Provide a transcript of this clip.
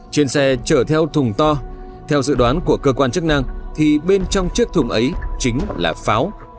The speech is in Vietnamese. trên xe chở theo thùng to theo dự đoán của cơ quan chức năng thì bên trong chiếc thùng ấy chính là pháo